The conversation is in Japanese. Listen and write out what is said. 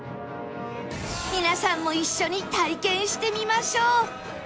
皆さんも一緒に体験してみましょう！